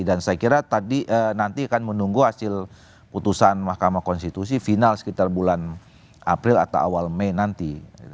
dan saya kira nanti akan menunggu hasil putusan mahkamah konstitusi final sekitar bulan april atau awal mei nanti